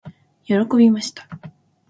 喜びました。